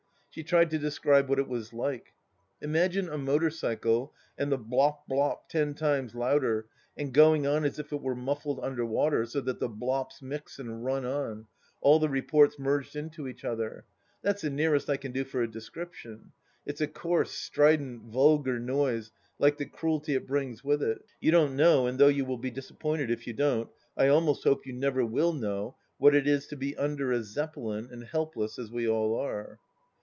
..." She tried to describe what it was like. " Imagine a motor bicycle and the ' blop blop ' ten times louder, and going on as if it were muffled under water so that the blops mix and run on — all the reports merged into each other ! That's the nearest I can do for a description. It's a coarse, strident, vulgar noise, like the cruelty it brings with it. ... You don't know, and though you will be disappointed if you don't, I almost hope you never will know, what it is to be under a Zeppelin and helpless as we all are.